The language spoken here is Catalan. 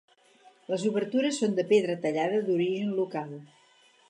Les obertures són de pedra tallada d'origen local.